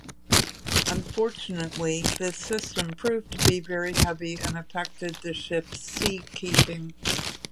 Unfortunately, this system proved to be very heavy and affected the ship's seakeeping.